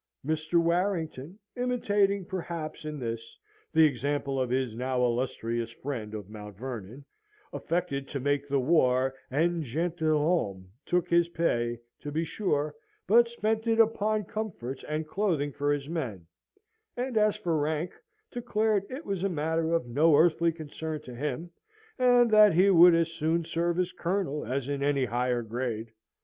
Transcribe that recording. Mr. Warrington, imitating perhaps in this the example of his now illustrious friend of Mount Vernon, affected to make the war en gentilhomme took his pay, to be sure, but spent it upon comforts and clothing for his men, and as for rank, declared it was a matter of no earthly concern to him, and that he would as soon serve as colonel as in any higher grade.